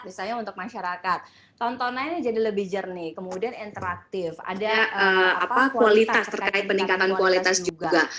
misalnya untuk masyarakat tontonannya jadi lebih jernih kemudian interaktif ada kualitas terkait peningkatan kualitas juga